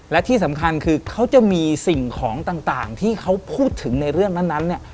และที่สำคัญคือเขาจะมีสิ่งของต่างให้พูดถึงในเรื่องนั้น